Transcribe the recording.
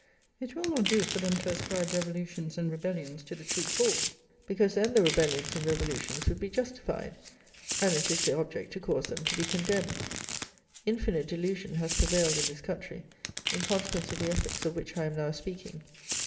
It will not do for them to ascribe revolutions and rebellions to the true cause; because then the rebellions and revolutions would be justified; and it is their object to cause them to be condemned. Infinite delusion has prevailed in this country, in consequence of the efforts of which I am now speaking.